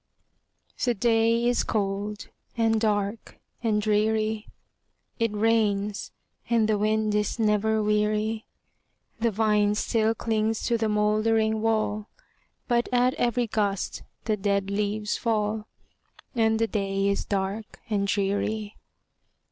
The day is cold, and dark, and dreary; It rains, and the wind is never weary; The vine still clings to the moldering wall, But at every gust the dead leaves fall, And the day is dark and dreary.